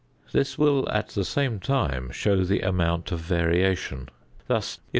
This will at the same time show the amount of variation. Thus, if 0.